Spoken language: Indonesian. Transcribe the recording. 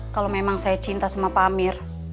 kalau memang saya cinta sama pak amir